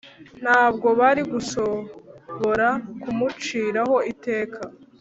Ntabwo bari gushobora kumuciraho iteka